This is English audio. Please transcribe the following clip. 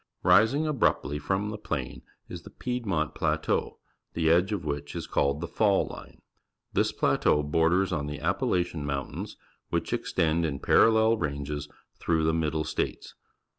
Rising abruptly from the plain is Xhe^ Piedmont Plateau, the edge of which is called the Fall Line. This plateau borders on Wi^Ap palachian M o XI ri ta i n s , which ex tend in parallel ranges through the Mid dle States.